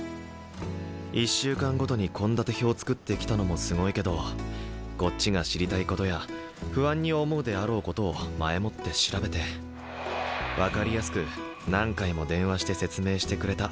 １週間ごとに献立表作ってきたのもすごいけどこっちが知りたいことや不安に思うであろうことを前もって調べて分かりやすく何回も電話して説明してくれた。